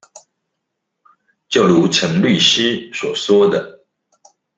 就如陳律師所說的